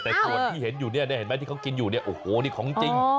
แต่ส่วนที่เห็นอยู่เนี่ยเห็นไหมที่เขากินอยู่เนี่ยโอ้โหนี่ของจริง